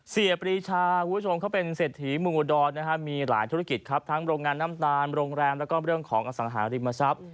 ปรีชาคุณผู้ชมเขาเป็นเศรษฐีเมืองอุดรมีหลายธุรกิจครับทั้งโรงงานน้ำตาลโรงแรมแล้วก็เรื่องของอสังหาริมทรัพย์